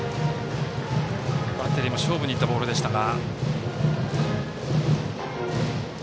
バッテリーも勝負にいったボールでしたが。